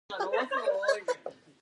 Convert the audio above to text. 担住支大烟通